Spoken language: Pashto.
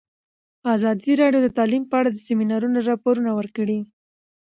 ازادي راډیو د تعلیم په اړه د سیمینارونو راپورونه ورکړي.